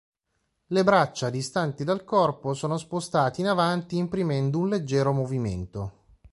Le braccia, distanti dal corpo, sono spostate in avanti imprimendo un leggero movimento.